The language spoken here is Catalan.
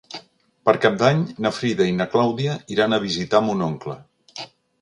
Per Cap d'Any na Frida i na Clàudia iran a visitar mon oncle.